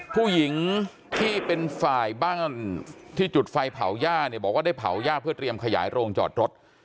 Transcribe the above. ผู้หญิงที่เป็นฝ่ายบ้านที่จุดไฟเผาย่าเนี่ยบอกว่าได้เผาย่าเพื่อเตรียมขยายโรงจอดรถ